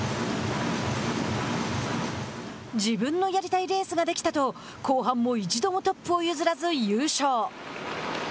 自分のやりたいレースができたと後半も一度もトップを譲らず優勝。